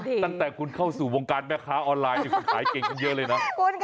ตั้งแต่คุณเข้าสู่วงการแม่ค้าออนไลน์คุณขายเก่งกันเยอะเลยเนอะ